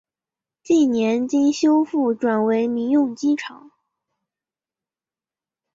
近年经修复转为民用机场。